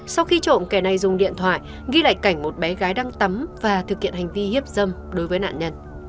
sau khi trộm kẻ này dùng điện thoại ghi lại cảnh một bé gái đang tắm và thực hiện hành trình